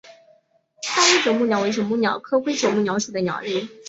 大灰啄木鸟为啄木鸟科灰啄木鸟属的鸟类。